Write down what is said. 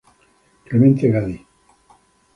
Clemente Gaddi.